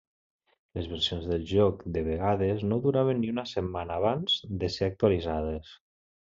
Les versions del joc de vegades no duraven ni una setmana abans de ser actualitzades.